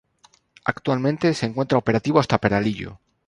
Actualmente se encuentra operativo hasta Peralillo.